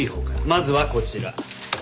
まずはこちら。